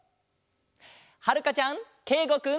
はるかちゃんけいごくん。